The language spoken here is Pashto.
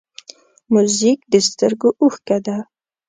موزیک د سترګو اوښکه ده.